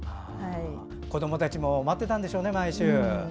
子どもたちも毎週、待っていたんでしょうね。